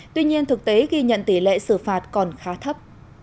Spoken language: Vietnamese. tuy nhiên thực tế ghi nhận tỷ lệ xử phạt còn khá thấp